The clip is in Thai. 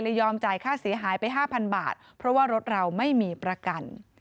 ยอมจ่ายค่าเสียหายไปห้าพันบาทเพราะว่ารถเราไม่มีประกัน